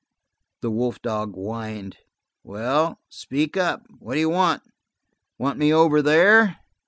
The wolf dog whined. "Well, speak up. What you want? Want me over there?"